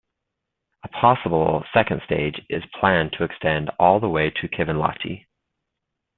A possible second stage is planned to extend all the way to Kivenlahti.